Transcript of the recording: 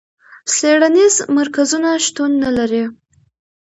څېړنیز مرکزونه شتون نه لري.